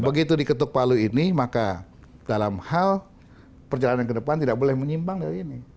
begitu diketuk palu ini maka dalam hal perjalanan ke depan tidak boleh menyimbang dari ini